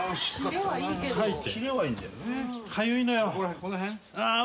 この辺？